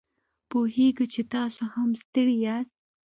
پوهیږو چې تاسو هم ستړي یاست